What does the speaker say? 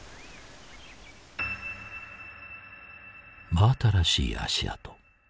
真新しい足跡。